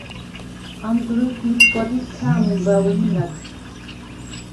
ამ დრუ̂ეუ̂ს მიშგუ̂ა დიდ ქა̄̈მჷმბაუ̂ე მი მა̄̈გ: